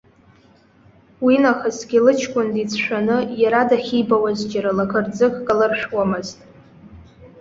Уинахысгьы лыҷкәын дицәшәаны, иара дахьибауаз џьара лаӷырӡык калыршәуамызт.